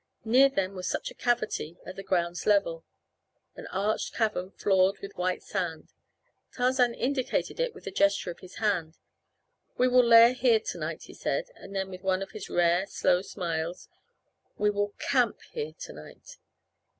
Near them was such a cavity at the ground's level an arched cavern floored with white sand. Tarzan indicated it with a gesture of his hand. "We will lair here tonight," he said, and then with one of his rare, slow smiles: "We will CAMP here tonight."